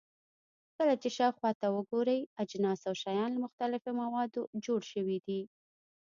کله چې شاوخوا ته وګورئ، اجناس او شیان له مختلفو موادو جوړ شوي دي.